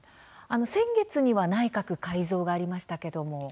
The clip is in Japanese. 先月には内閣改造がありましたけれども。